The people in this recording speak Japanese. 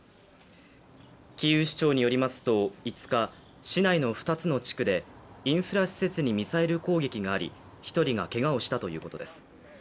キーウ市長によりますと５日市内の２つの地区でインフラ施設にミサイル攻撃があり１人がけがをしたということです。